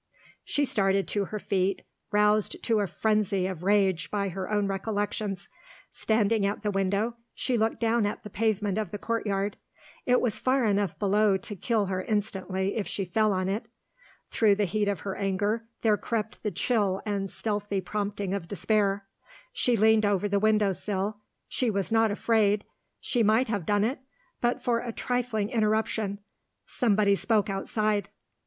She started to her feet, roused to a frenzy of rage by her own recollections. Standing at the window, she looked down at the pavement of the courtyard it was far enough below to kill her instantly if she fell on it. Through the heat of her anger there crept the chill and stealthy prompting of despair. She leaned over the window sill she was not afraid she might have done it, but for a trifling interruption. Somebody spoke outside.